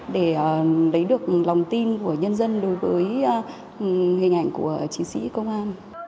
để lấy được lòng tin của nhân dân đối với hình ảnh của chiến sĩ công an